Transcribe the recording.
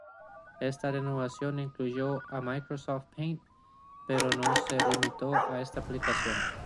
Esta renovación incluyó a Microsoft Paint, pero no se limitó a esta aplicación.